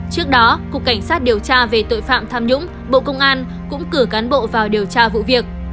trước đó cục cảnh sát điều tra về tội phạm tham nhũng bộ công an cũng cử cán bộ vào điều tra vụ việc